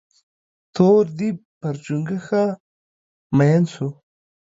تور ديب پر چونگوښه مين سو.